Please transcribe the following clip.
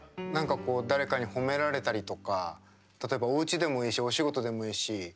誰かに褒められたりとか例えば、おうちでもいいしお仕事でもいいし。